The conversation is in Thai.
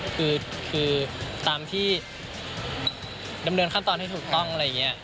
คือตามที่ดำเนินขั้นตอนให้ถูกต้องอะไรอย่างนี้